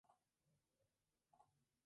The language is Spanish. Genet nunca volvería a ser encarcelado.